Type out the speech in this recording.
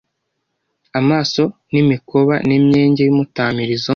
Amaso n’imikoba n' Imyenge y’umutamirizo